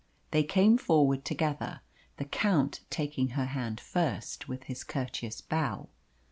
They came forward together, the Count taking her hand first, with his courteous bow.